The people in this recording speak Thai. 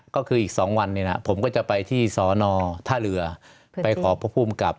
ก็คืออีกสองวันเนี้ยน่ะผมก็จะไปที่ทหาเผลอไปขอพพูกกับ